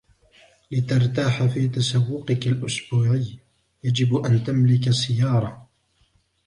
لترتاح في تسوقك الأسبوعي ، يجب أن تملك سيارةً.